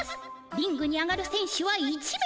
リングに上がるせん手は１名。